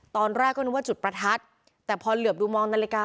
ตอนแรกก็นึกว่าจุดประทัดแต่พอเหลือบดูมองนาฬิกา